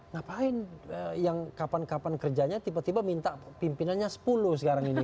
ngapain yang kapan kapan kerjanya tiba tiba minta pimpinannya sepuluh sekarang ini